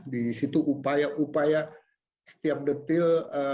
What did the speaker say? di situ upaya upaya setiap detil